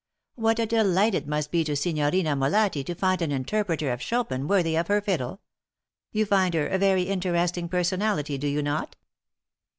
"What a delight it must be to Signorina Molatti to find an interpreter of Chopin worthy of her fiddle! You find her a very interesting personality, do you not?"